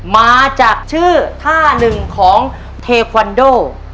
มาจากชื่อท่าหนึ่งของเทควันโด